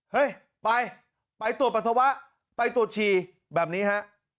เฮ้ยไปไปตรวจปัสสาวะไปตรวจฉี่แบบนี้ฮะ